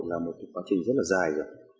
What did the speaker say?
là một quá trình rất là dài